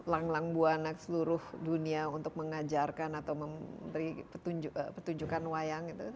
lang lang buana seluruh dunia untuk mengajarkan atau memberi petunjukan wayang itu